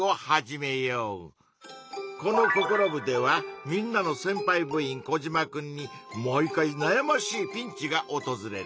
この「ココロ部！」ではみんなのせんぱい部員コジマくんに毎回なやましいピンチがおとずれる。